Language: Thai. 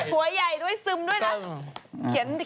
หัวใหญ่ด้วยซึมด้วยนะ